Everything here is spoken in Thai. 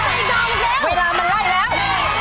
คิดหรอกเลี่ยว